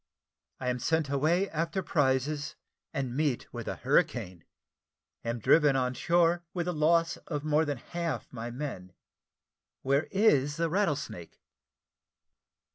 I AM SENT AWAY AFTER PRIZES AND MEET WITH A HURRICANE AM DRIVEN ON SHORE, WITH THE LOSS OF MORE THAN HALF MY MEN WHERE IS THE "RATTLESNAKE?"